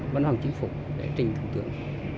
văn phòng chính phủ để trình thủ tướng